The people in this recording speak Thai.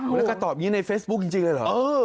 แล้วก็ตอบอย่างนี้ในเฟซบุ๊คจริงเลยเหรอ